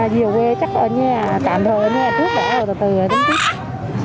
vì ở quê chắc tạm thời trước để từ từ đánh ký